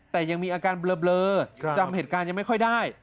แต่ยังมีอาการเบลอจำเหตุการณ์ยังไม่ค่อยได้